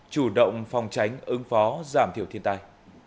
chủ động phòng tránh ứng phó giảm thiểu thiên tai